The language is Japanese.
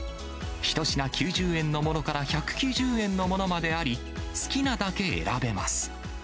一品９０円のものから、１９０円のものまであり、好きなだけ選べます。